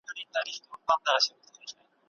ځینې کریمونه د ګټورې ودې هڅونه کوي.